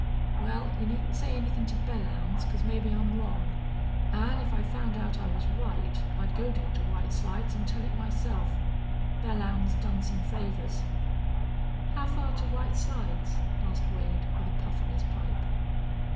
"Wal, you needn't say anythin' to Belllounds, because mebbe I'm wrong. An' if I found out I was right I'd go down to White Slides an' tell it myself. Belllounds done some favors." "How far to White Slides?" asked Wade, with a puff on his pipe.